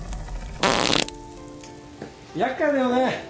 厄介だよね。